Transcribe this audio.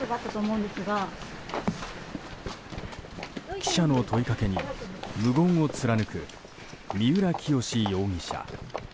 記者の問いかけに無言を貫く三浦清志容疑者。